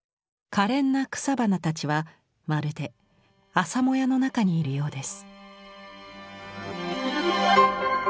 かれんな草花たちはまるで朝もやの中にいるようです。